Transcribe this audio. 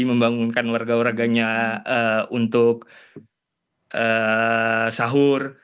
membangunkan warga warganya untuk sahur